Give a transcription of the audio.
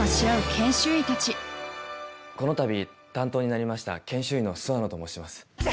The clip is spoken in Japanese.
このたび担当になりました研修医の諏訪野と申します。